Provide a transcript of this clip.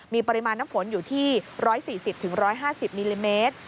มีปริมาณน้ำฝนอยู่ที่๑๔๐๑๕๐มิลลิเมตร